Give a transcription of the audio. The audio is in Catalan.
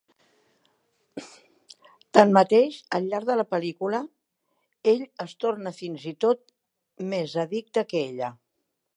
Tanmateix, al llarg de la pel·lícula ell es torna fins i tot més addicte que ella.